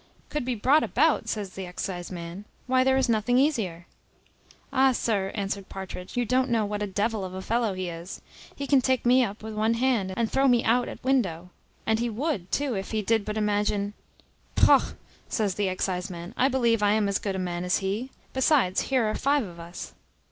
"Could be brought about!" says the exciseman: "why, there is nothing easier." "Ah! sir," answered Partridge, "you don't know what a devil of a fellow he is. He can take me up with one hand, and throw me out at window; and he would, too, if he did but imagine " "Pogh!" says the exciseman, "I believe I am as good a man as he. Besides, here are five of us."